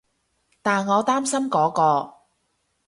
但我擔心嗰個